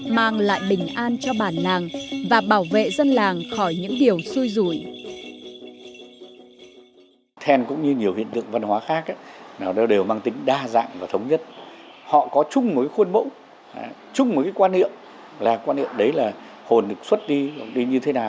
mang lại bình an cho bản làng và bảo vệ dân làng khỏi những điều xui